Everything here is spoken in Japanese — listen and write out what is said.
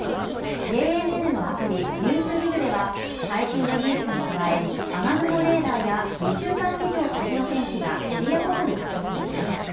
ＪＮＮのアプリ「ＮＥＷＳＤＩＧ」では最新のニュースに加え、雨雲レーダーや２週間以上先の天気がエリアごとに確認できます。